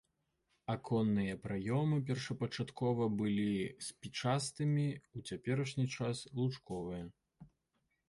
Аконныя праёмы першапачаткова былі спічастымі, у цяперашні час лучковыя.